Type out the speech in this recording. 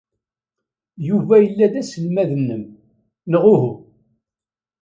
Yuba yella d aselmad-nnem, neɣ uhu?